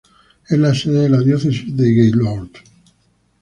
Es la sede de la Diócesis de Gaylord.